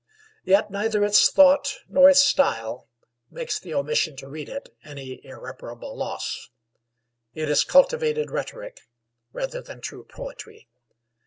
Yet neither its thought nor its style makes the omission to read it any irreparable loss. It is cultivated rhetoric rather than true poetry.